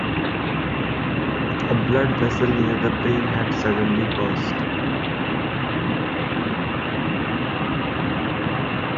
A blood-vessel near the brain had suddenly burst.